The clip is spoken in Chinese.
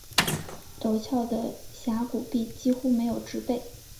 陡峭的峡谷壁几乎没有植被。